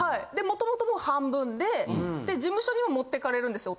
元々半分で事務所にも持ってかれるんですよ。